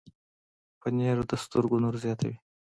پنېر د سترګو نور زیاتوي.